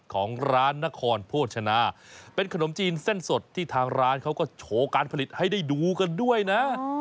ของร้านนครโภชนาเป็นขนมจีนเส้นสดที่ทางร้านเขาก็โชว์การผลิตให้ได้ดูกันด้วยนะ